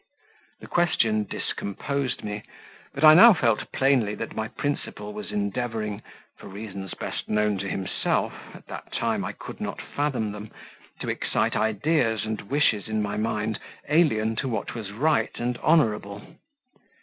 The question discomposed me, but I now felt plainly that my principal was endeavouring (for reasons best known to himself at that time I could not fathom them) to excite ideas and wishes in my mind alien to what was right and honourable.